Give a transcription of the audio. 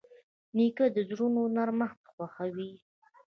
نیکه د زړونو نرمښت خوښوي.